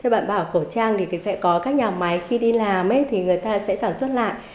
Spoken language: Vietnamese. bạn bảo khẩu trang thì sẽ có các nhà máy khi đi làm thì người ta sẽ sản xuất lại